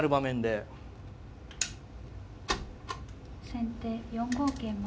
先手４五桂馬。